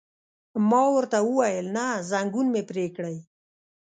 ما ورته وویل: نه، ځنګون مې پرې کړئ.